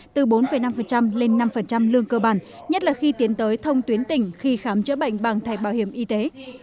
từ bốn năm lên năm lương cơ bản nhất là khi tiến tới thông tuyến tỉnh khi khám chữa bệnh bằng thầy bảo hiểm y tế